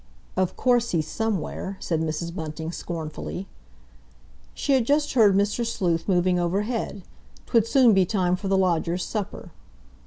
"Of course he's somewhere," said Mrs. Bunting scornfully. She had just heard Mr. Sleuth moving overhead. 'Twould soon be time for the lodger's supper.